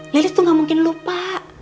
lelis tuh gak mungkin lupa